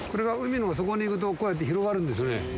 海の底に行くとこうやって広がるんですね。